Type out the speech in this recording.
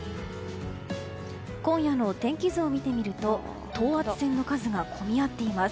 今夜の天気図を見てみると等圧線の数が混み合っています。